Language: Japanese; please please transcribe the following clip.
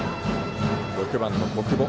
６番の小久保。